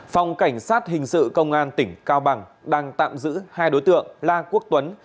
phòng cảnh sát hình sự công an tỉnh cao bằng đang tạm giữ hai đối tượng la quốc tuấn